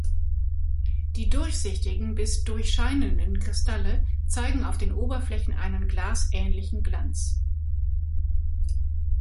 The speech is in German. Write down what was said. Die durchsichtigen bis durchscheinenden Kristalle zeigen auf den Oberflächen einen glasähnlichen Glanz.